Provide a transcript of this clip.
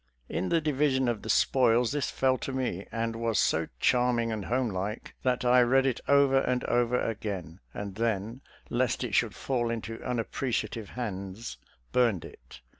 In the division of the spoils this fell to me, and was so charming and homelike that I read it over and over again, and then, lest it should fall into unappreciative hands, burned it.